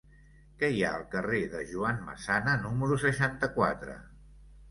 Què hi ha al carrer de Joan Massana número seixanta-quatre?